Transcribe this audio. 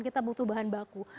kita butuh bahan baku